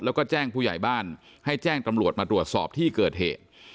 แล้วก็แจ้งผู้ใหญ่บ้านให้แจ้งตำรวจมาตรวจสอบที่เกิดเหตุ